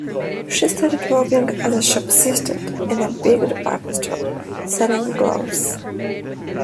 She started working as a shop assistant in a big department store, selling gloves.